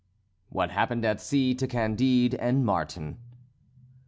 XX WHAT HAPPENED AT SEA TO CANDIDE AND MARTIN.